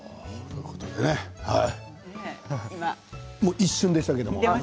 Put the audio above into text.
一瞬でしたけれども。